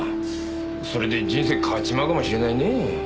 それで人生変わっちまうかもしれないねぇ。